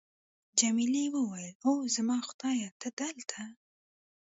جميلې وويل:: اوه، زما خدایه، ته دلته!